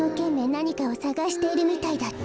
なにかをさがしているみたいだった。